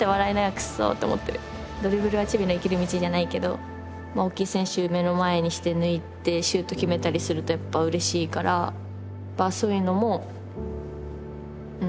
「ドリブルはチビの生きる道」じゃないけど大きい選手目の前にして抜いてシュート決めたりするとやっぱうれしいからそういうのも楽しめてた。